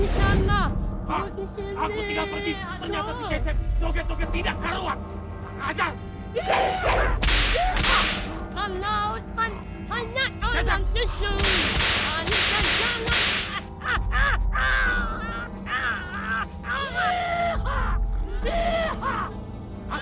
sampai jumpa di video selanjutnya